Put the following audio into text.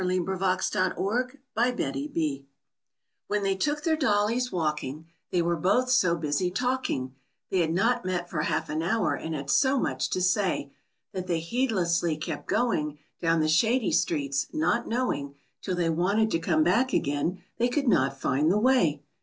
WHEN BETTIE AND ANNE WENT WALKING When they took their dollies walking, They were both so busy talking, (They had not met for half an hour and so had much to say) That they heedlessly kept going Down the shady streets, not knowing, Till they wanted to come back again, they could not find the way!